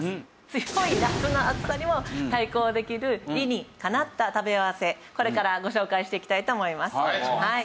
強い夏の暑さにも対抗できる理にかなった食べ合わせこれからご紹介していきたいと思います。